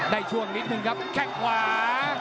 ได้ช่วงนิดนึงครับแค่ขวา